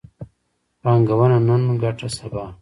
پانګونه نن، ګټه سبا